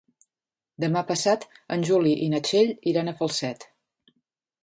Demà passat en Juli i na Txell iran a Falset.